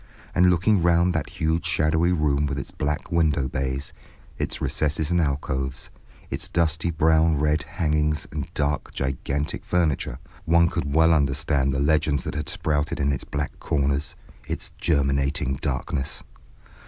And looking round that huge shadowy room with its black window bays, its recesses and alcoves, its dusty brown red hangings and dark gigantic furniture, one could well understand the legends that had sprouted in its black corners, its germinating darknesses.